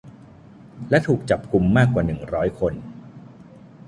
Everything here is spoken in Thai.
และถูกจับกุมมากกว่าหนึ่งร้อยคน